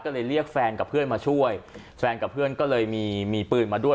ก็เลยเรียกแฟนกับเพื่อนมาช่วยแฟนกับเพื่อนก็เลยมีมีปืนมาด้วย